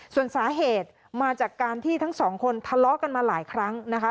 ส่วนสาเหตุมาจากการที่ทั้งสองคนทะเลาะกันมาหลายครั้งนะคะ